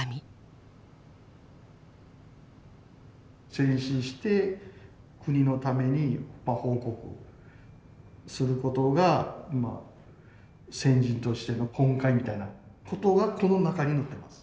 戦死した戦死して国のために報国することがせんじんとしての本懐みたいなことがこの中に載ってます。